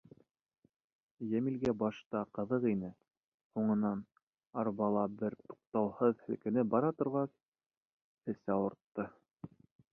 Йәмилгә башта ҡыҙыҡ ине, һуңынан, арбала бер туҡтауһыҙ һелкенеп бара торғас, эсе ауыртты.